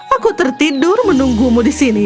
aku tertidur menunggumu di sini